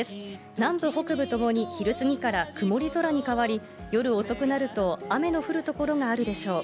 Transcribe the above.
南部北部ともに昼過ぎから曇り空に変わり、夜遅くなると雨の降る所があるでしょう。